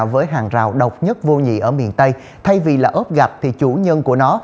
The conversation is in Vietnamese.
với hàng rào độc nhất vô nhị ở miền tây thay vì là ốp gặp thì chủ nhân của nó